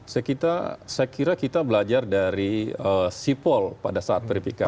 saya kira kita belajar dari sipol pada saat verifikasi